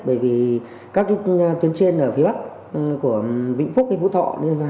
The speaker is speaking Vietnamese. bởi vì các tuyến trên ở phía bắc của vĩnh phúc hay phú thọ